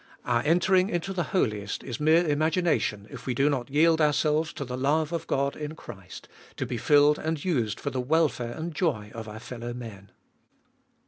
Our entering into the Holiest is mere imagination, if we do not yield ourselves to the love of God in Christ, to be rilled and used for the welfare and joy of our fellow men.